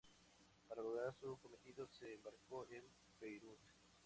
Para lograr su cometido se embarcó en Beirut.